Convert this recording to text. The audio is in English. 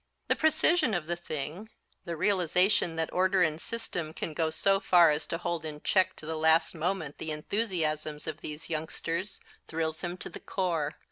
The precision of the thing, the realization that order and system can go so far as to hold in check to the last moment the enthusiasms of these youngsters thrills him to the core.